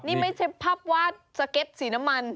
นี่ไม่ใช่ภาพวาดสเก็ตสีน้ำมัน